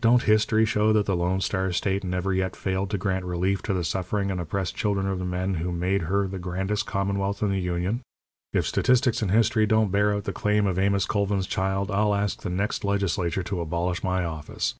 Don't History show that the Lone Star State never yet failed to grant relief to the suffering and oppressed children of the men who made her the grandest commonwealth in the Union? If Statistics and History don't bear out the claim of Amos Colvin's child I'll ask the next legislature to abolish my office.